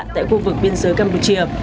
tại khu vực biên giới campuchia